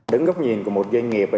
đứng góc nhìn của một doanh nghiệp